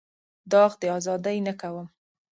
داغ د ازادۍ نه کوم.